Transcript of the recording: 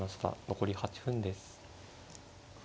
残り８分です。